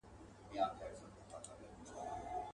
مګر زه خو قاتل نه یمه سلطان یم.